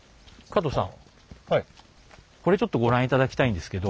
これちょっとご覧頂きたいんですけど。